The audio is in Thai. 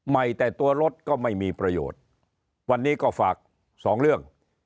ใหม่แต่ตัวรถก็ไม่มีประโยชน์วันนี้ก็ฝากสองเรื่อง